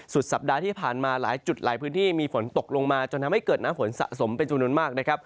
สัปดาห์ที่ผ่านมาหลายจุดหลายพื้นที่มีฝนตกลงมาจนทำให้เกิดน้ำฝนสะสมเป็นจำนวนมากนะครับ